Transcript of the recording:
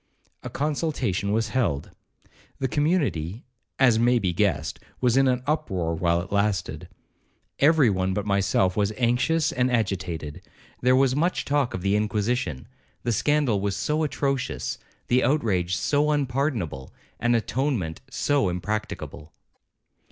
A consultation was held. The community, as may be guessed, was in an uproar while it lasted. Every one but myself was anxious and agitated. There was much talk of the inquisition,—the scandal was so atrocious,—the outrage so unpardonable,—and atonement so impracticable.